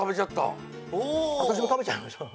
わたしも食べちゃいました。